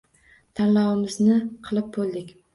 Tanlovimizni qilib bo'ldik.